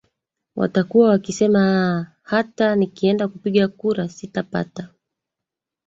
watakuwa wakisema aa hata nikienda kupiga kura sitapataa